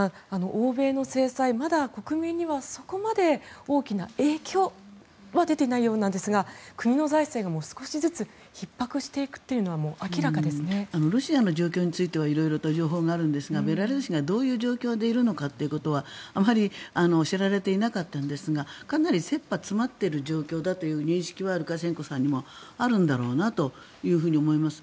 欧米の制裁、まだ国民にはそこまで大きな影響は出ていないようなんですが国の財政が少しずつひっ迫していくのはロシアの状況については色々と情報があるんですがベラルーシがどういう状況であるのかというのはあまり知られていなかったんですがかなり切羽詰まっている状況だという認識はルカシェンコさんにもあるんだろうなと思います。